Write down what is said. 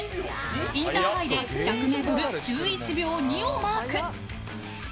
インターハイで１００ｍ、１１秒２をマーク。